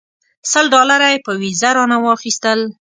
سل ډالره یې په ویزه رانه واخیستل.